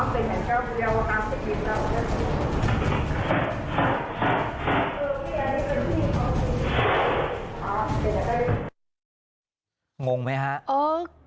เดี๋ยวขอมือดูดีกันหน่อยครับ